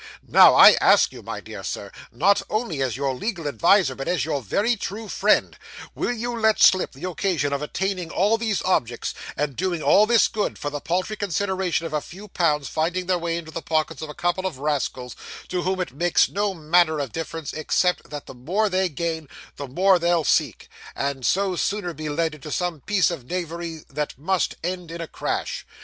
Now I ask you, my dear sir, not only as your legal adviser, but as your very true friend, will you let slip the occasion of attaining all these objects, and doing all this good, for the paltry consideration of a few pounds finding their way into the pockets of a couple of rascals, to whom it makes no manner of difference, except that the more they gain, the more they'll seek, and so the sooner be led into some piece of knavery that must end in a crash?